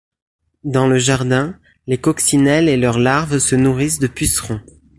Dans le jardin, les coccinelles et leurs larves se nourrissent de pucerons.